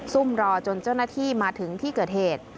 ซุ่มรอจนเจ้าหน้าที่มาถึงที่เกิดเหตุ